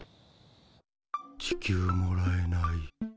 地球もらえない。